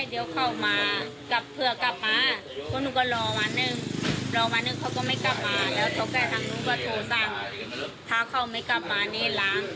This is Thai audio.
แล้วเขาแค่ทางนู้นก็โทรสรรค์พาเขาไม่กลับมานี่ล้าง